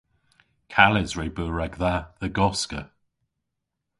Kales re beu ragdha dhe goska.